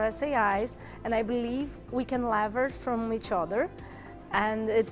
dan saya percaya kita bisa berlebar dari satu sama lain